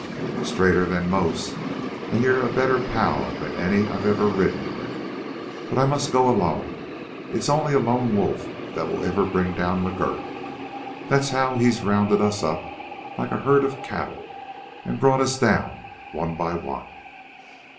"Straighter than most. And you're a better pal than any I've ever ridden with. But I must go alone. It's only a lone wolf that will ever bring down McGurk. Think how he's rounded us up like a herd of cattle and brought us down one by one."